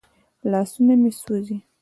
لاسونه مې سوځي.